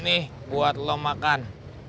nih buat lo makan